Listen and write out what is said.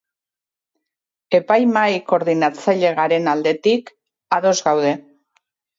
Epaimahai Koordinatzaile garen aldetik, ados gaude.